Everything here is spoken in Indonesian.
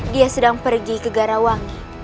dia sedang pergi ke garawangi